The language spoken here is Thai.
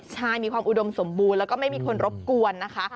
ใช่มีความอุดมสมบูรณ์แล้วก็ไม่มีคนรบกวนนะคะ